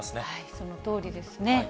そのとおりですね。